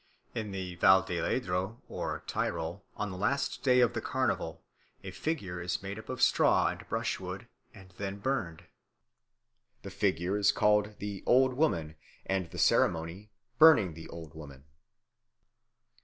In the Val di Ledro (Tyrol) on the last day of the Carnival a figure is made up of straw and brushwood and then burned. The figure is called the Old Woman, and the ceremony "burning the Old Woman."